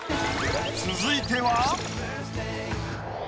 続いては。